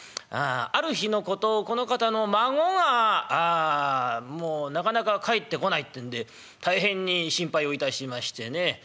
ある日のことこの方の孫がもうなかなか帰ってこないってんで大変に心配をいたしましてね。